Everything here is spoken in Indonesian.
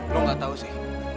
lo gak tahu sih